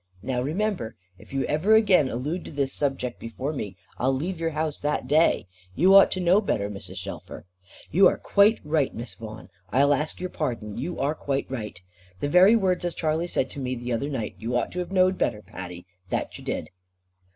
Now remember, if you ever again allude to this subject before me, I leave your house that day. You ought to know better, Mrs. Shelfer." "You are quite right, Miss Vaughan; I ask your pardon, you are quite right. The very words as Charley said to me the other night. 'You ought to have knowed better, Patty, that you did.